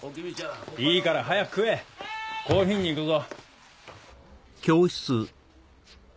いいから早く食えコーヒーに行くぞ。